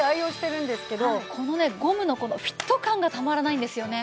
このねゴムのこのフィット感がたまらないんですよね。